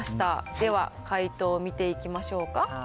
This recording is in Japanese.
では解答を見ていきましょうか。